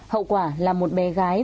hậu quả là một bé gái